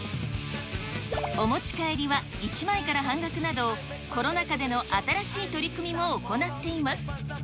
お持ち帰りは１枚から半額など、コロナ禍での新しい取り組みも行っています。